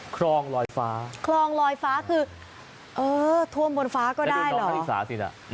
คลองลอยฟ้าคือเออท่วมบนฟ้าก็ได้เหรอ